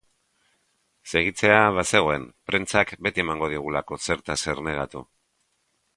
Segitzea, bazegoen, prentsak beti emango digulako zertaz ernegatu.